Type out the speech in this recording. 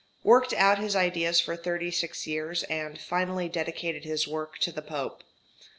Worked out his ideas for 36 years, and finally dedicated his work to the Pope.